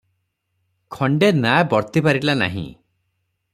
ଖଣ୍ଡେ ନାଆ ବର୍ତ୍ତି ପାରିଲା ନାହିଁ ।